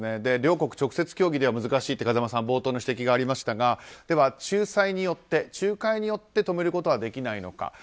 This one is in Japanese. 両国、直接協議では難しいという風間さんの冒頭の指摘がありましたがでは仲裁、仲介によって止めることはできないのか。